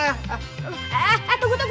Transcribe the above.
eh eh eh tunggu tunggu